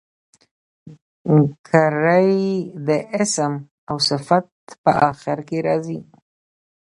ګری د اسم او صفت په آخر کښي راځي.